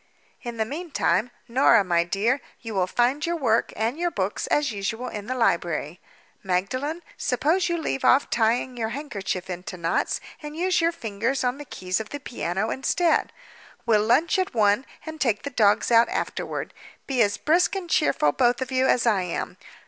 In the meantime, Norah, my dear, you will find your work and your books, as usual, in the library. Magdalen, suppose you leave off tying your handkerchief into knots and use your fingers on the keys of the piano instead? We'll lunch at one, and take the dogs out afterward. Be as brisk and cheerful both of you as I am.